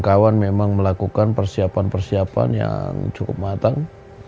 kawan memang melakukan persiapan persiapan yang cukup matang